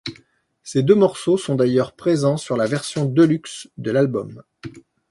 Ces deux morceaux sont d'ailleurs présents sur la version deluxe de l'album.